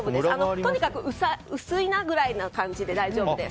とにかく薄いなくらいで大丈夫です。